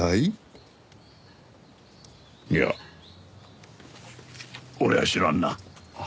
いや俺は知らんな。